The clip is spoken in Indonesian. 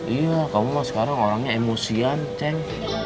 iya kamu mah sekarang orangnya emosian ceng